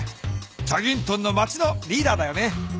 チャギントンの町のリーダーだよね。